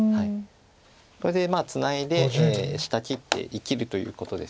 これでツナいで下切って生きるということです。